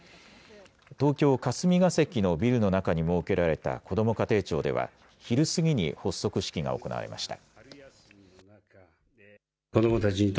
東京・霞が関のビルの中に設けられたこども家庭庁では、昼すぎに発足式が行われました。